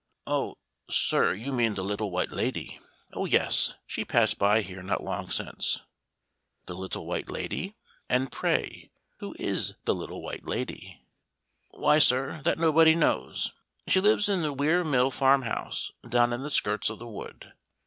"Oh, sir, you mean the Little White Lady oh, yes, she passed by here not long since." "The Little White Lady! And pray who is the Little White Lady?" "Why, sir, that nobody knows; she lives in the Weir Mill farmhouse, down in the skirts of the wood.